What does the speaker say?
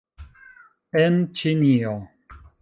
- En Ĉinio